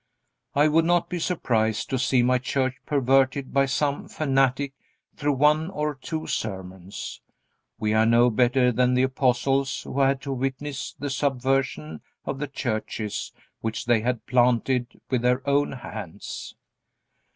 I would not be surprised to see my church perverted by some fanatic through one or two sermons. We are no better than the apostles who had to witness the subversion of the churches which they had planted with their own hands.